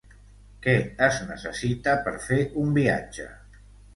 Què es necessita per fer un viatge?